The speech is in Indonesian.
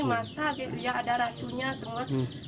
masa ada racunnya semua